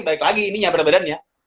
balik lagi ini nyabar badannya